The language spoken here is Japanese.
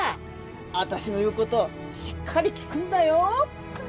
「あたしの言うことしっかり聞くんだよ！」